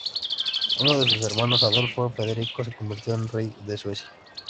Uno de sus hermanos, Adolfo Federico se convirtió en rey de Suecia.